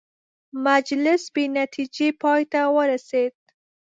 مجلس بې نتیجې پای ته ورسېد.